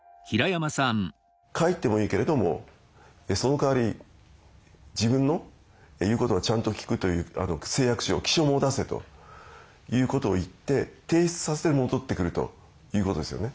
帰ってもいいけれどもその代わり自分の言うことはちゃんと聞くという誓約書を起しょう文を出せということを言って提出させて戻ってくるということですよね。